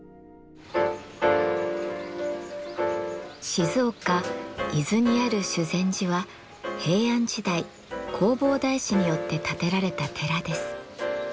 静岡伊豆にある修禅寺は平安時代弘法大師によって建てられた寺です。